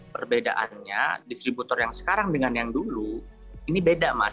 perbedaannya distributor yang sekarang dengan yang dulu ini beda mas